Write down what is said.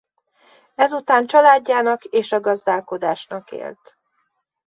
Ezután családjának és a gazdálkodásnak élt.